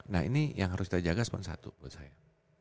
nah ini yang harus kita jaga cuma satu buat saya